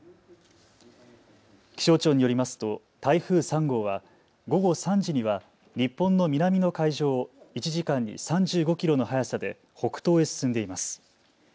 気象庁によりますと台風３号は午後３時には日本の南の海上を１時間に３５キロの速さで北東へ進んでいます。